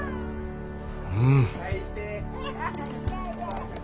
うん。